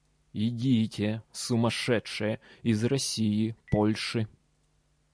Идите, сумасшедшие, из России, Польши.